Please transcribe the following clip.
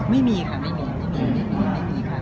ไม่มีค่ะไม่มีไม่มีไม่มีค่ะ